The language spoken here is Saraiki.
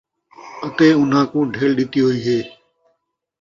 اَتے اُنھاں کُوں ڈِھل ݙِتی ہوئی ہَے،